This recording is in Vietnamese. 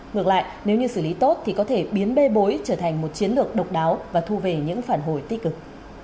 ngược lại nếu như xử lý tốt thì có thể biến bê bối trở thành một chiến lược độc đáo và thu về những phản hồi tích cực